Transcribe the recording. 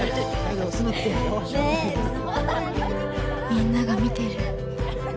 みんなが見てる。